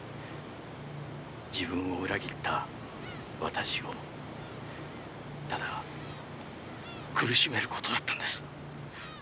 自分を裏切った私をただ苦しめることだったんです。